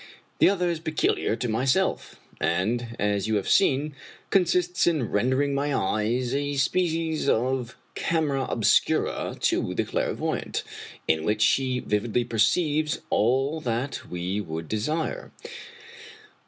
The other is peculiar to myself, and, as you have seen, consists in rendering my eyes a species of camera obscura to the clairvoyante, in which she vividly perceives all that we would desire.